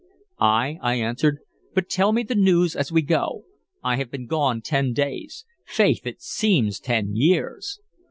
"Ay," I answered, "but tell me the news as we go. I have been gone ten days, faith, it seems ten years!